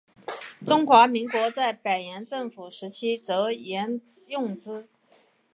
中华民国在北洋政府时期则沿用之。